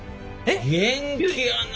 元気やな！